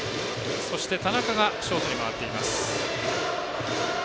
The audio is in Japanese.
そして田中がショートに回っています。